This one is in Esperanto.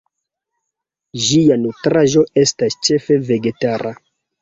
Ĝia nutraĵo estas ĉefe vegetara.